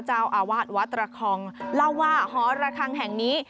เจ้าอาวาสวัดตระคองเล่าว่าหอระคังแห่งนี้